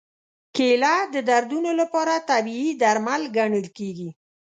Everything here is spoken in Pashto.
کېله د دردونو لپاره طبیعي درمل ګڼل کېږي.